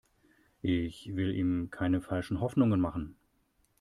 Ich will ihm keine falschen Hoffnungen machen.